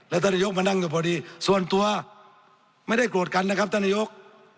ท่านนายกมานั่งก็พอดีส่วนตัวไม่ได้โกรธกันนะครับท่านนายก